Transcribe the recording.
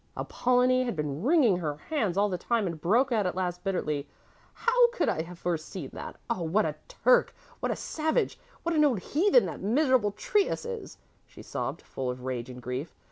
Apollonie had been wringing her hands all the time and broke out at last bitterly, "How could I have foreseen that? Oh, what a Turk, what a savage, what an old heathen that miserable Trius is," she sobbed, full of rage and grief.